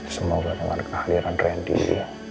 semoga dengan keahliran randy